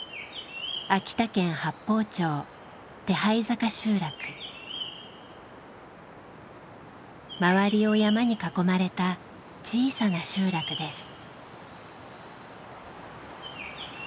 秋田県八峰町周りを山に囲まれた小さな集落です。